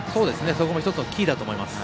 そこも１つのキーだと思います。